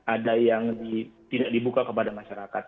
ada yang tidak dibuka kepada masyarakat